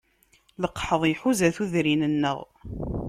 Leqḥeḍ iḥuza tudrin-nneɣ.